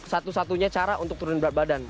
itu satu satunya cara untuk turunin berat badan